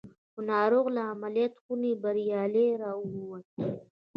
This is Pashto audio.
خو ناروغ له عملیات خونې بریالی را وووت